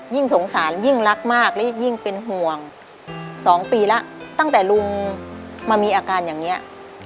สงสารยิ่งรักมากและยิ่งเป็นห่วง๒ปีแล้วตั้งแต่ลุงมามีอาการอย่างนี้